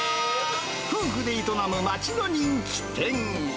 夫婦で営む街の人気店。